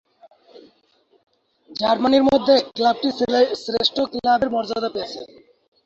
জার্মানির মধ্যে ক্লাবটি শ্রেষ্ঠ ক্লাবের মর্যাদা পেয়েছে।